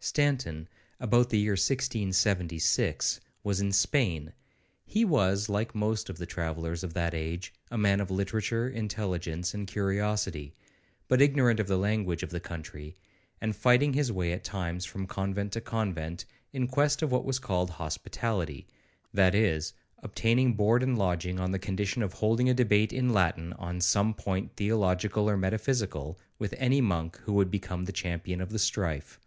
Stanton, about the year 1676, was in Spain; he was, like most of the travellers of that age, a man of literature, intelligence, and curiosity, but ignorant of the language of the country, and fighting his way at times from convent to convent, in quest of what was called 'Hospitality,' that is, obtaining board and lodging on the condition of holding a debate in Latin, on some point theological or metaphysical, with any monk who would become the champion of the strife.